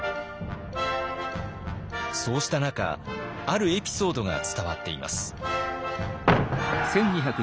そうした中あるエピソードが伝わっています。